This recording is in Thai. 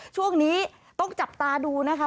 ช่วงนี้ต้องจับตาดูนะคะ